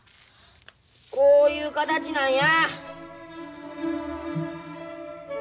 こういう形なんや。